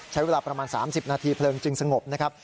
ใช้เวลาประมาณ๓๐นาทีเพลิงจึงสงบนะครับ